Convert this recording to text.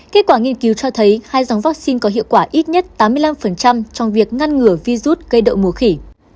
kết quả nghiên cứu cho thấy hai dòng vaccine có hiệu quả ít nhất tám mươi năm trong việc ngăn ngừa virus gây đậu mùa khỉ